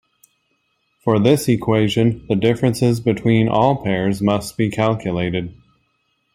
For this equation, the differences between all pairs must be calculated.